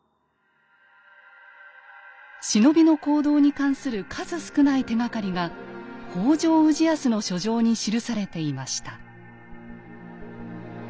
忍びの行動に関する数少ない手がかりが北条氏康の書状に記されていました。